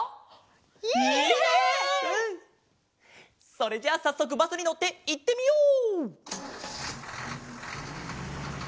それじゃあさっそくバスにのっていってみよう！